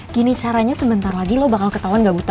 gini caranya sebentar lagi lo bakal ketauan nggak buta